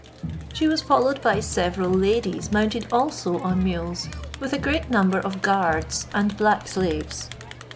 She was followed by several ladies mounted also on mules, with a great number of guards and black slaves.